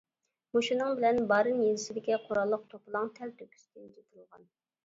مۇشۇنىڭ بىلەن بارىن يېزىسىدىكى قوراللىق توپىلاڭ تەلتۆكۈس تىنچىتىلغان.